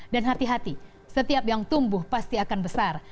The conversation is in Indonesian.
dan hati hati setiap yang tumbuh pasti akan besar